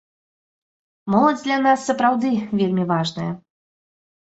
Моладзь для нас сапраўды вельмі важная.